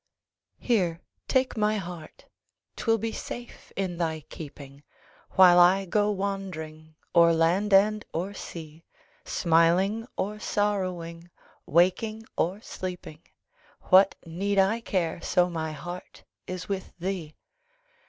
Here, take my heart 'twill be safe in thy keeping, While I go wandering o'er land and o'er sea; Smiling or sorrowing, waking or sleeping, What need I care, so my heart is with thee?